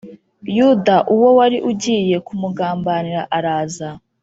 Yuda uwo wari ugiye kumugambanira araza